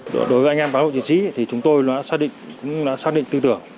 đối với anh em cán bộ chiến sĩ thì chúng tôi cũng đã xác định tư tưởng